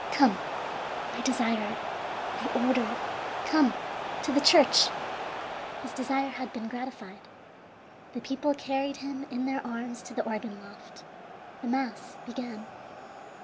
Come, I desire it, I order it; come, to the church!" His desire had been gratified. The people carried him in their arms to the organ loft. The mass began.